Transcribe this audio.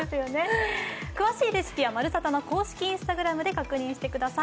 詳しいレシピは「まるサタ」の公式Ｉｎｓｔａｇｒａｍで確認してください。